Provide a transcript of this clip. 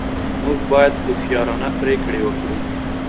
موږ باید هوښیارانه پرېکړې وکړو.